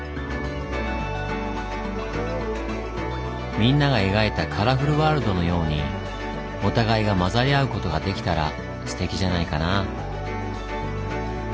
みんなが描いたカラフルワールドのようにお互いが混ざり合うことができたらすてきじゃないかな。